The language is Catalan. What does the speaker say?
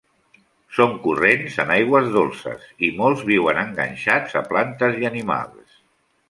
Són corrents en aigües dolces i molts viuen enganxats a plantes i animals.